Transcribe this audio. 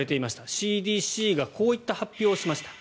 ＣＤＣがこういった発表をしました。